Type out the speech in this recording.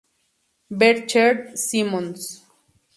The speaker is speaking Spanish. Ver Chern-Simons.